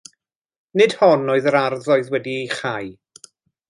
Nid hon oedd yr ardd oedd wedi'i chau.